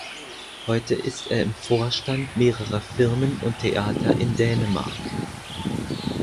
Heute ist er im Vorstand mehrerer Firmen und Theater in Dänemark.